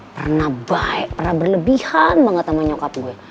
pernah baik pernah berlebihan banget sama nyokap gue